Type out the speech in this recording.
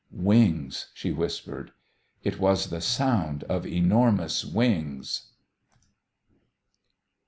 "Wings," she whispered. "It was the sound of enormous wings."